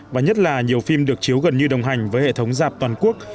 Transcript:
và nhất là nhiều phim được chiếu gần như đồng hành với hệ thống dạp toàn quốc